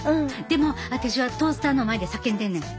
でも私はトースターの前で叫んでんねん。